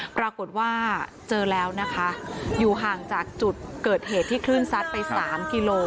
ปรากฏว่าเจอแล้วนะคะอยู่ห่างจากจุดเกิดเหตุที่คลื่นซัดไป๓กิโล